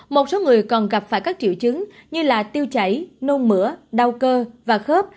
một số người còn gặp phải các triệu chứng như tiêu chảy nôn mửa đau cơ và khớp